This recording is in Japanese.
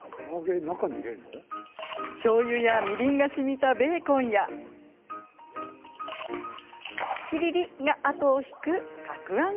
しょうゆや、みりんがしみたベーコンやピリリッが後を引くたくあん